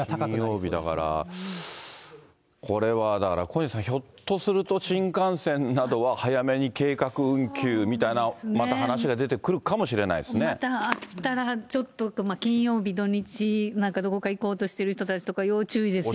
金曜日だから、これはだから小西さん、ひょっとすると新幹線などは早めに計画運休みたいな、また話が出てくるかもしれないでまたあったら、ちょっとって、金曜日、土日にどこか行こうとしている人たちとか、要注意ですよ